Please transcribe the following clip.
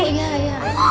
kalau pasti bisa